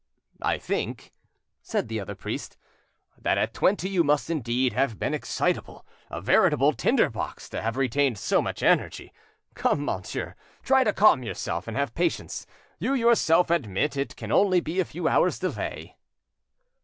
"I think;" said the other priest, "that at twenty you must indeed have been excitable, a veritable tinder box, to have retained so much energy! Come, monsieur, try to calm yourself and have patience: you yourself admit it can only be a few hours' delay."